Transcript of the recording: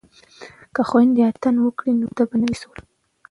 که خویندې اتڼ وکړي نو واده به نه وي سوړ.